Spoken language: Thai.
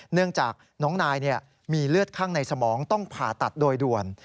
เนื่องจากน้องนายมีเลือดข้างในสมองต้องผ่าตัดโดยด่วน